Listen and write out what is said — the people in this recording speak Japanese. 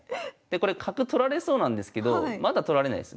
これ角取られそうなんですけどまだ取られないです。